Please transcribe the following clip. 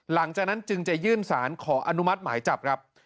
หลังจากนั้นจึงจะยื่นสารขออนุมัติหมายจับครับ